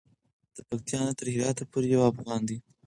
د پکتیا نه تر هراته پورې یو افغان دی.